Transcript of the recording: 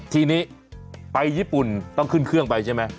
ทีนี้ไปญี่ปุ่นต้องขึ้นเครื่องไปใช่ไหม